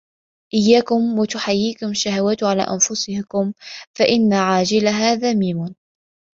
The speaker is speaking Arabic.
إيَّاكُمْ وَتَحْكِيمَ الشَّهَوَاتِ عَلَى أَنْفُسِكُمْ فَإِنَّ عَاجِلَهَا ذَمِيمٌ